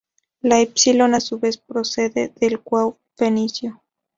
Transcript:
La ípsilon a su vez procede del wau fenicio.